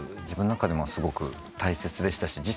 自分の中でもすごく大切でしたし。